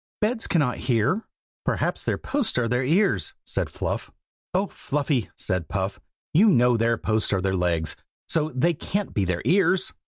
"Beds cannot hear." "Perhaps their posts are their ears," said Fluff. "Oh! Fluffy," said Puff, "you know their posts are their legs, so they can't be their ears."